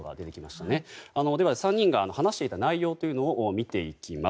３人が話していた内容を見ていきます。